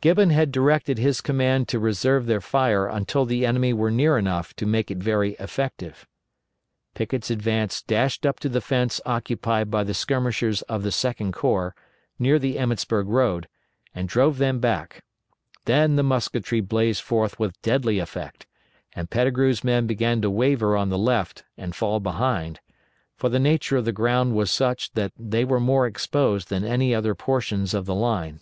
Gibbon had directed his command to reserve their fire until the enemy were near enough to make it very effective. Pickett's advance dashed up to the fence occupied by the skirmishers of the Second Corps, near the Emmetsburg road, and drove them back; then the musketry blazed forth with deadly effect, and Pettigrew's men began to waver on the left and fall behind; for the nature of the ground was such that they were more exposed than other portions of the line.